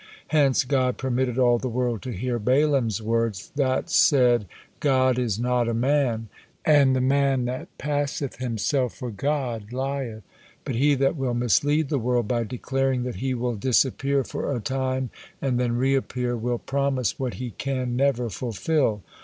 Hence God permitted all the world to hear Balaam's words, that said: "God is not a man, and the man that passeth himself for God lieth. But he that will mislead the world by declaring that he will disappear for a time and then reappear will promise what he can never fulfil.